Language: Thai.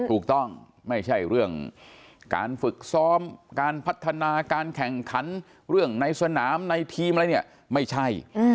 ไม่ใช่เรื่องการฝึกซ้อมการพัฒนาการแข่งขันเรื่องในสนามในทีมอะไรเนี่ยไม่ใช่